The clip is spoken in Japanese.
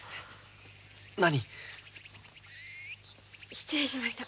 失礼しました。